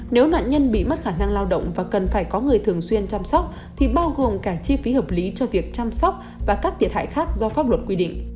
nếu nạn nhân bị mất khả năng lao động và cần phải có người thường xuyên chăm sóc thì bao gồm cả chi phí hợp lý cho việc chăm sóc và các thiệt hại khác do pháp luật quy định